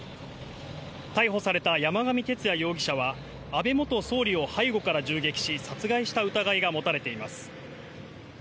逮捕された山上徹也容疑者は、安倍元総理を背後から銃撃し、殺害した疑いが持たれています。